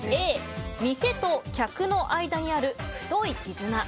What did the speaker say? Ａ、店と客の間にある太い絆。